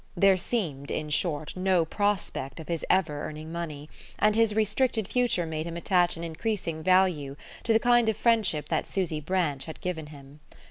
There seemed, in short, no prospect of his ever earning money, and his restricted future made him attach an increasing value to the kind of friendship that Susy Branch had given him.